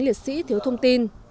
liệt sĩ thiếu thông tin